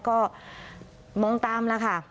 ก็มองตามละค่ะ